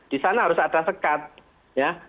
di sana harus ada sekat ya